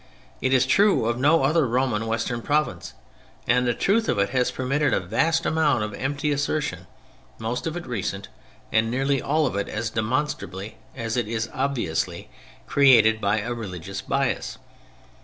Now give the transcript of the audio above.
It is true of no other Roman western province, and the truth of it has permitted a vast amount of empty assertion, most of it recent, and nearly all of it as demonstrably (as it is obviously) created by a religious bias.